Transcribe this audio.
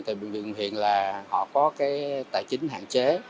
tại bệnh viện quận huyện là họ có cái tài chính hạn chế